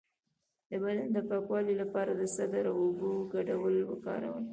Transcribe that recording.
د بدن د پاکوالي لپاره د سدر او اوبو ګډول وکاروئ